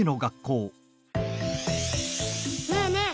ねえねえ！